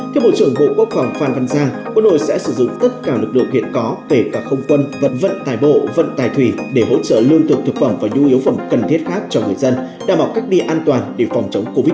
theo bộ trưởng bộ quốc phòng phan văn giang quân đội sẽ sử dụng tất cả lực lượng hiện có kể cả không quân vận tài bộ vận tài thủy để hỗ trợ lương thực thực phẩm và nhu yếu phẩm cần thiết khác cho người dân đảm bảo cách đi an toàn để phòng chống covid một mươi chín